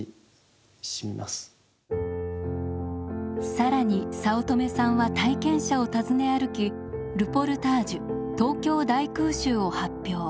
更に早乙女さんは体験者を訪ね歩きルポルタージュ「東京大空襲」を発表。